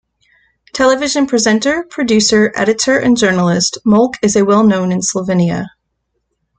Television presenter, producer, editor and journalist, Molk is a well known in Slovenia.